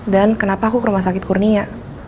dan kenapa aku ke rumah sakit kurnia